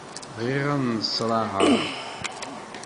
Bɣiɣ ad nneṣraɛeɣ.